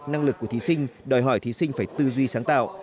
năng lực của thí sinh đòi hỏi thí sinh phải tư duy sáng tạo